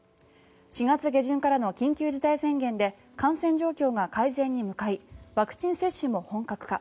４月下旬からの緊急事態宣言で感染状況が改善に向かいワクチン接種も本格化。